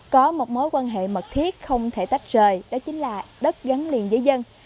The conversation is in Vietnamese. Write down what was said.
có một mối quan hệ mật thiết không thể tách rời đó chính là đất gắn liền với dân